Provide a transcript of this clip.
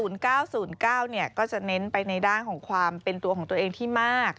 ก็จะเน้นไปในด้านของความเป็นตัวของตัวเองที่มาก